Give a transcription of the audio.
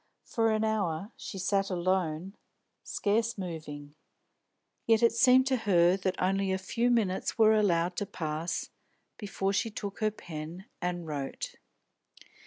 For an hour she sat alone, scarce moving. Yet it seemed to her that only a few minutes were allowed to pass before she took her pen and wrote.